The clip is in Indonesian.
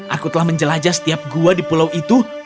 aku telah menjelajah setiap gua di pulau itu